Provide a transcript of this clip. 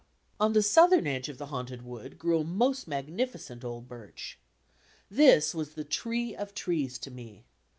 On the southern edge of the Haunted Wood grew a most magnificent old birch. This was the tree of trees to me.